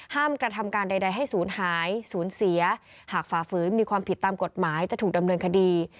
กระทำการใดให้ศูนย์หายศูนย์เสียหากฝ่าฝืนมีความผิดตามกฎหมายจะถูกดำเนินคดี